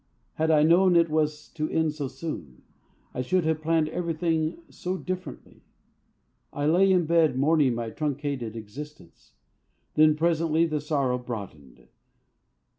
Had I known it was to end so soon, I should have planned everything so differently. I lay in bed mourning my truncated existence. Then presently the sorrow broadened.